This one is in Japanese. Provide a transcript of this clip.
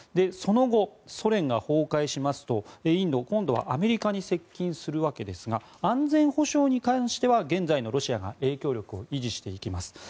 その後、崩壊が進むとアメリカに接近するわけですが安全保障に関しては現在のロシアが影響力を維持していきます。